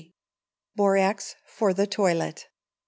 Borax for the Toilet.